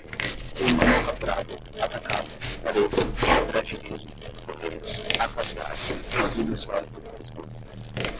remanufaturado, atacado, varejo, cooperativismo, correios, aquaviário, resíduo sólido, esgoto